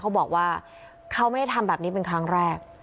เขาบอกว่าเขาไม่ได้ทำแบบนี้เป็นครั้งแรก